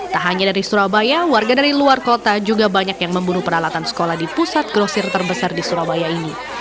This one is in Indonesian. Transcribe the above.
tak hanya dari surabaya warga dari luar kota juga banyak yang membunuh peralatan sekolah di pusat grosir terbesar di surabaya ini